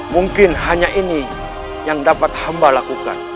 mungkin hanya ini yang dapat hamba lakukan